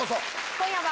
今夜は。